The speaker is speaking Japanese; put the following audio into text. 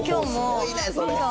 すごいねそれ。